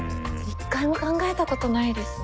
１回も考えたことないですね。